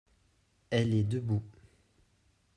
Elle est debout.